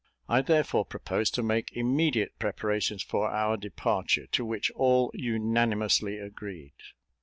I therefore proposed to make immediate preparations for our departure, to which all unanimously agreed.